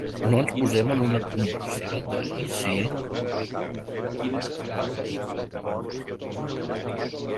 No ens posem en una conversió de "i si...".